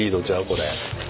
これ。